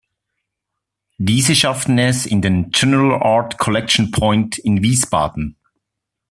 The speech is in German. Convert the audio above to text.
Diese schafften es in den "General Art Collection Point" in Wiesbaden.